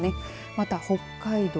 また、北海道